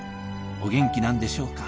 お元気なんでしょうか？